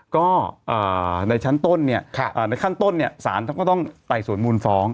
ก็ในชั้นต้นเนี่ยในขั้นต้นเนี่ยสารท่านก็ต้องไต่สวนมูลฟ้อง